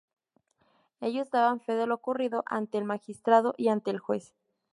Ellos daban fe de lo ocurrido, ante el magistrado y ante el juez.